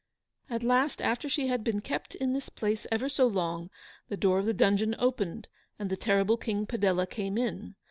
At last, after she had been kept in this place EVER SO LONG, the door of the dungeon opened, and the terrible KING PADELLA came in.